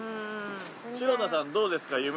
白田さんどうですか？